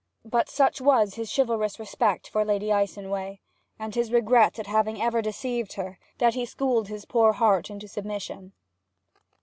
But such was his chivalrous respect for Lady Icenway, and his regret at having ever deceived her, that he schooled his poor heart into submission.